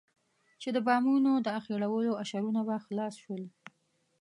چې د بامونو د اخېړولو اشرونه به خلاص شول.